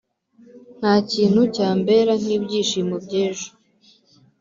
ntakintu cyambera nkibyishimo byejo.